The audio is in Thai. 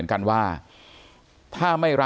ขอบคุณมากครับขอบคุณมากครับ